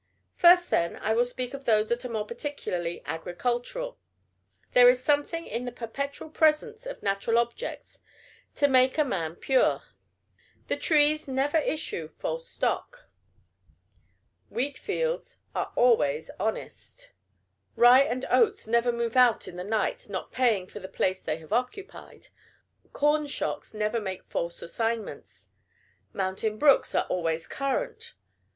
First, then, I will speak of those that are more particularly agricultural. There is something in the perpetual presence of natural objects to make a man pure. The trees never issue "false stock." Wheat fields are always honest. Rye and oats never move out in the night, not paying for the place they have occupied. Corn shocks never make false assignments. Mountain brooks are always "current."